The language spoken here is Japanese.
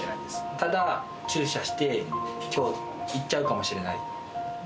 ただ、注射してきょう逝っちゃうかもしれない。